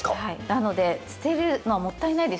なので捨てるのはもったいないですよね。